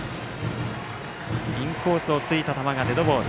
インコースを突いた球がデッドボール。